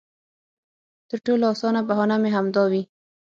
تر ټولو اسانه بهانه به مې همدا وي.